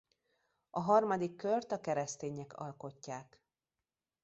A harmadik kört a keresztények alkotják.